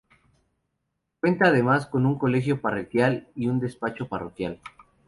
Cuenta además con un colegio parroquial y un despacho parroquial.